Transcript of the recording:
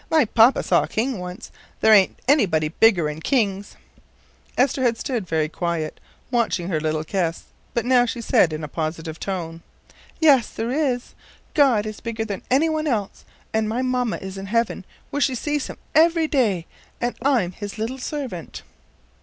"My papa saw a king once. There ain't anybody bigger'n kings." Esther had stood very quiet, watching her little guests, but now she said in a positive tone: "Yes, there is. God is bigger than any one else, and my mamma is in heaven where she sees him every day, and I'm his little servant."